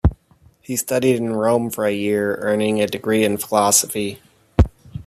He studied in Rome for a year, earning a degree in philosophy.